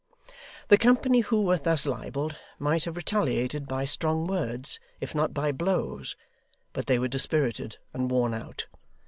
The company who were thus libelled might have retaliated by strong words, if not by blows, but they were dispirited and worn out.